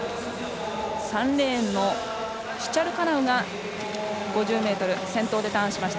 ３レーンのシチャルカナウが５０ｍ、先頭でターンしました。